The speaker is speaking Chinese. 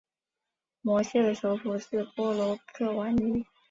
摩羯的首府是波罗克瓦尼。